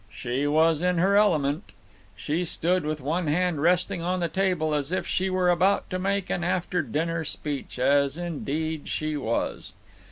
She was in her element. She stood with one hand resting on the table as if she were about to make an after dinner speech—as indeed she was.